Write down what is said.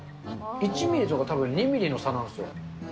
１ミリとか、たぶん２ミリの差なんですよ。